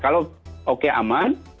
kalau oke aman